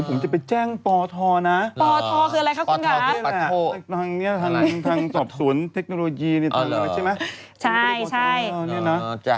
หนูแจ้งเรื่องเทศนะคะ